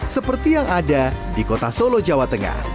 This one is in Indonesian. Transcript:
seperti yang ada di kota solo jawa tengah